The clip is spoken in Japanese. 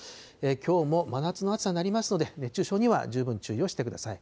きょうも真夏の暑さになりますので、熱中症には十分注意をしてください。